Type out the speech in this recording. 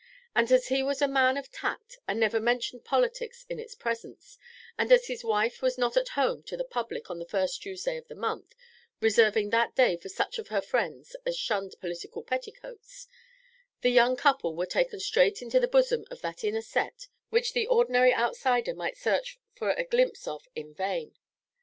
And as he was a man of tact and never mentioned politics in its presence, and as his wife was not at home to the public on the first Tuesday of the month, reserving that day for such of her friends as shunned political petticoats, the young couple were taken straight into the bosom of that inner set which the ordinary outsider might search for a very glimpse of in vain.